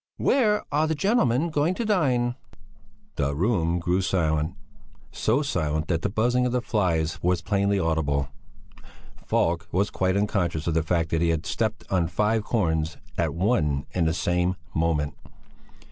"Where are the gentlemen going to dine?" The room grew silent, so silent that the buzzing of the flies was plainly audible; Falk was quite unconscious of the fact that he had stepped on five corns at one and the same moment.